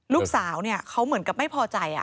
ลูกสาวเขาเหมือนกับไม่พอใจ